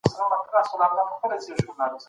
انسان بايد په هر حالت کي خپل ځان وساتي.